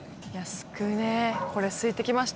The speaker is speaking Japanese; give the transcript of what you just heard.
すくねこれすいてきました。